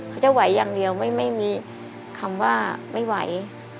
เขาจะไหวอย่างเดียวไม่มีคำว่าไม่ไหว